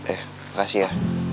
eh makasih ya